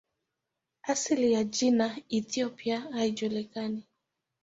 Asili ya jina "Ethiopia" haijulikani.